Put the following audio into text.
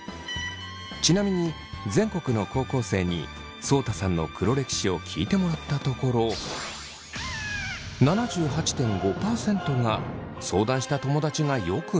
ちなみに全国の高校生にそうたさんの黒歴史を聞いてもらったところ７８．５％が相談した友だちがよくなかったとジャッジしました。